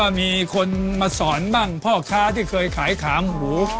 มีคนมาสอนบ้างพ่อค้าที่เคยขายขามหู